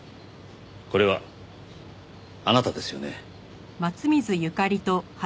これはあなたですよね？